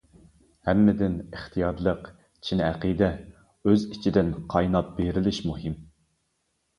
ھەممىدىن ئىختىيارلىق، چىن ئەقىدە، ئۆز ئىچىدىن قايناپ بېرىلىش مۇھىم.